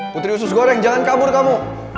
putri usus goreng jangan kabur kamu